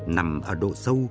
nằm ở độ sâu